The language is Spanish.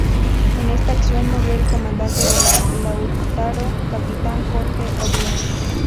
En esta acción murió el comandante de la "Lautaro", capitán Jorge O'Brien.